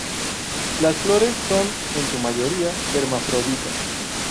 Las flores son en su mayoría hermafroditas.